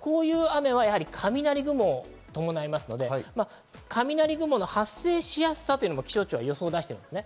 こういう雨は雷雲を伴いますので、雷雲の発生しやすさは気象庁は出してるんですね。